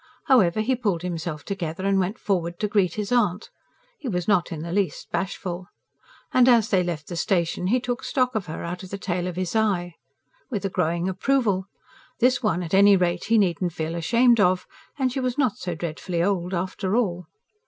However he pulled himself together and went forward to greet his aunt: he was not in the least bashful. And as they left the station he took stock of her, out of the tail of his eye. With a growing approval: this one at any rate he needn't feel ashamed of; and she was not so dreadfully old after all.